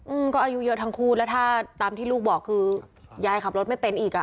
อืมก็อายุเยอะทั้งคู่แล้วถ้าตามที่ลูกบอกคือยายขับรถไม่เป็นอีกอ่ะ